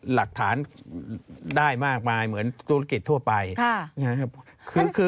หลักฐานได้มากมายเหมือนธุรกิจทั่วไปนะครับ